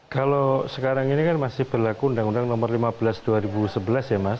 kalau sekarang ini kan masih berlaku undang undang nomor lima belas dua ribu sebelas ya mas